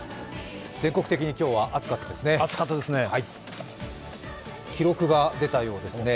全国的に今日は暑かったですね。